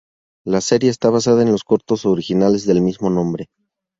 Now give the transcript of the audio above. La serie está basada en los cortos originales del mismo nombre.